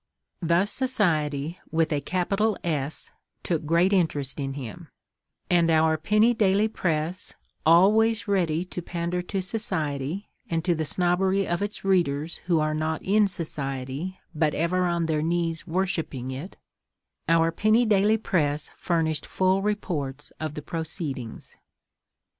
Thus Society with a capital S took great interest in him, and our penny daily press, always ready to pander to Society, and to the snobbery of its readers who are not in Society but ever on their knees worshipping it—our penny daily press furnished full reports of the proceedings.